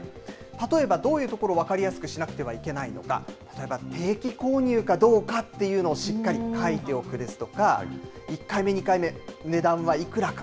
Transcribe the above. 例えばどういうところを分かりやすくしなくてはいけないのか、こちら定期購入かどうかをしっかり書いておくですとか、１回目、２回目、値段はいくらか。